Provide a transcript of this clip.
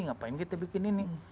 ngapain kita bikin ini